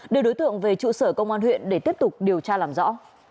đưa đối tượng về trụ sở công an huyện để tiếp tục điều tra làm rõ